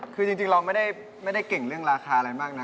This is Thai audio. คือจริงเราไม่ได้เก่งเรื่องราคาอะไรมากนะ